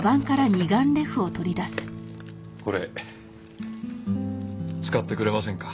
これ使ってくれませんか？